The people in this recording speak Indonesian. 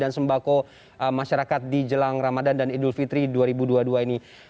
dan juga untuk konsumsi dan sembako masyarakat di jelang ramadhan dan idul fitri dua ribu dua puluh dua ini